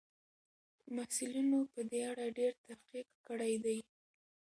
محصلینو په دې اړه ډېر تحقیق کړی دی.